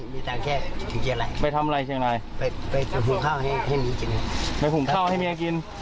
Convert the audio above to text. ไม่มีตังค์แค่เชียงราย